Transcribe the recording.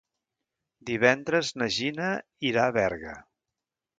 Divendres na Gina irà a Berga.